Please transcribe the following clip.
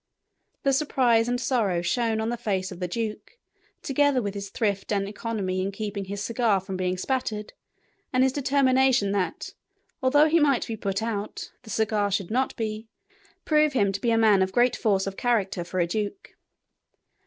The surprise and sorrow shown on the face of the duke, together with his thrift and economy in keeping his cigar from being spattered, and his determination that, although he might be put out, the cigar should not be, prove him to have been a man of great force of character for a duke.